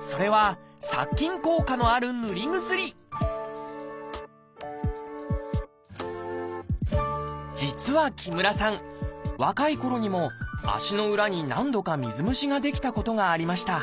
それは実は木村さん若いころにも足の裏に何度か水虫が出来たことがありました。